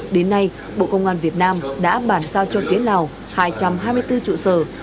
đến nay bộ công an việt nam đã bản giao cho phía lào hai trăm hai mươi bốn trụ sở